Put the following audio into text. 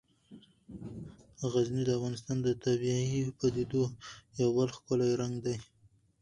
غزني د افغانستان د طبیعي پدیدو یو بل ښکلی رنګ دی.